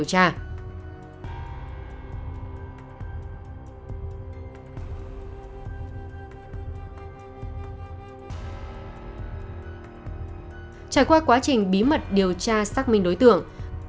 trải qua quá trình bí mật điều tra xác minh đối tượng